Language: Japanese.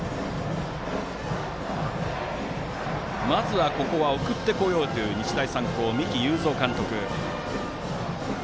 まずここは送ってこようという日大三高、三木有造監督。